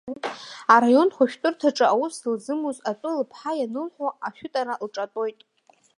Араионтә хәышәтәырҭаҿы аус зылзымуз атәы лыԥҳа ианылҳәо, ашәытара лҿатәоит.